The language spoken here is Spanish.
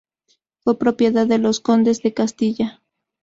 Fue propiedad de los condes de Castilla.